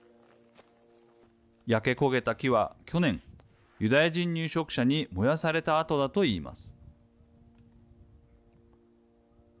焼け焦げた木は、去年ユダヤ人入植者に燃やされた跡だと言います。